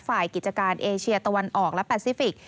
ฝ่ายกิจการเอเชียตะวันออกและแปซิฟิกส